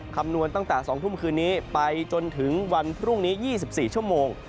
คำนวณตั้งแต่๒ทุ่มคืนนี้ไปจนถึงวันพรุ่งนี้๒๔ชั่วโมง